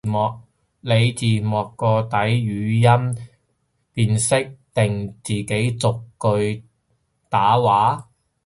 你字幕個底語音辨識定自己逐句打話？